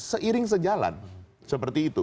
seiring sejalan seperti itu